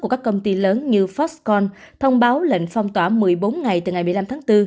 của các công ty lớn như foxcon thông báo lệnh phong tỏa một mươi bốn ngày từ ngày một mươi năm tháng bốn